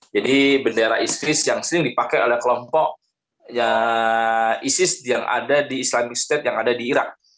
jadi bendera isis yang sering dipakai oleh kelompok isis yang ada di islamic state yang ada di irak